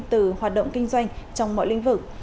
từ hoạt động kinh doanh trong mọi lĩnh vực